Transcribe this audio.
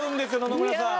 野々村さん。